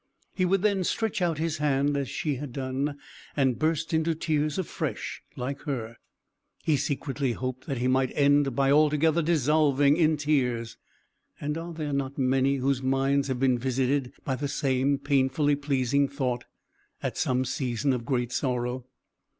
He would then stretch out his hand as she had done, and burst into tears afresh, like her. He secretly hoped that he might end by altogether dissolving in tears: and are there not many whose minds have been visited by the same painfully pleasing thought, at some season of great sorrow?